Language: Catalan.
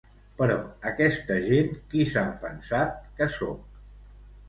Però aquesta gent qui s'han pensat que soc?